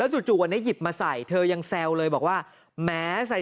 สามีเธอไปหัวเล่าค่ะ